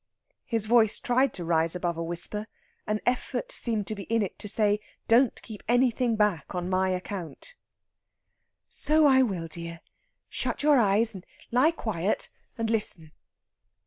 His voice tried to rise above a whisper; an effort seemed to be in it to say: "Don't keep anything back on my account." "So I will, dear. Shut your eyes and lie quiet and listen.